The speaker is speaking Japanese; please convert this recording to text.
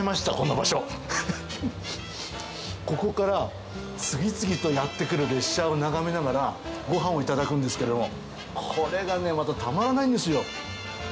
ここから次々とやって来る列車を眺めながらご飯をいただくんですけれどもこれがねまたたまらないんですよ。